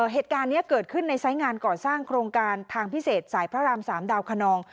เหตุการณ์นี้เกิดขึ้นในไซส์งานก่อสร้างโครงการทางพิเศษสายพระราม๓ดาวคนนอง